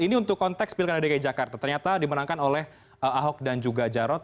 ini untuk konteks pilkada dki jakarta ternyata dimenangkan oleh ahok dan juga jarot